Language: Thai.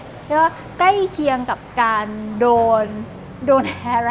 รู้หรือว่าใกล้เคียงกับการโดน